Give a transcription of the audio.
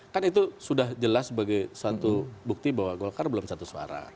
kan itu sudah jelas sebagai suatu bukti bahwa golkar belum satu suara